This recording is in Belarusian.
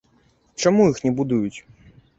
Чаму іх не будуюць?